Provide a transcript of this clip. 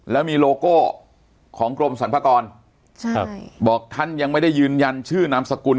แล้วมีโลโก้ของกรมสรรพากรใช่ครับบอกท่านยังไม่ได้ยืนยันชื่อนามสกุล